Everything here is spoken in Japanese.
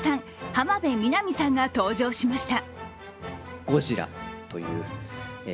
浜辺美波さんが登場しました。